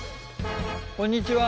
こんにちは。